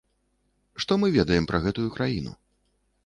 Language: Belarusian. Што мы ведаем пра гэтую краіну?